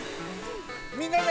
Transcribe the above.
みんなで！